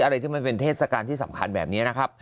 อะไรที่มันเป็นเทศกาลที่สำคัญแบบนี้นะครับ